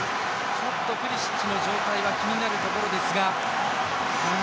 ちょっとプリシッチの状態が気になるところですが。